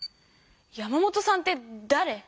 山本さんってだれ？